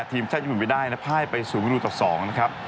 ทีมชาติญี่ปุ่นไม่ได้นะพ่ายไปสูงฤทธิ์ต่อ๒นะครับ